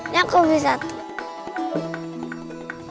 ya aku bisa tuh